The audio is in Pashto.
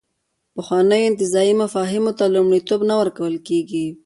پخوانیو انتزاعي مفاهیمو ته لومړیتوب نه ورکول کېږي.